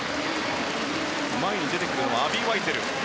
前に出てくるのはアビー・ワイツェル。